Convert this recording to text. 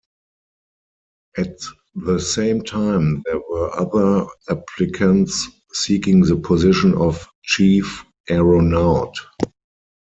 At the same time, there were other applicants seeking the position of Chief Aeronaut.